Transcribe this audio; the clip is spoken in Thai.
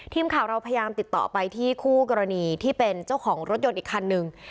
ทีมข่าวเราพยายามติดต่อไปที่คู่กรณีที่เป็นเจ้าของรถยนต์อีกคันหนึ่ง